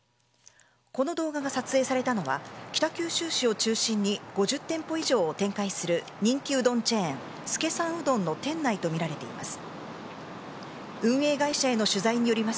この動画が撮影されたのは北九州市を中心に５０店舗以上を展開する人気うどんチェーン資さんうどんの店内とみられています。